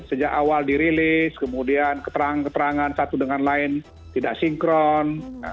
sejak awal dirilis kemudian keterangan keterangan satu dengan lain tidak sinkron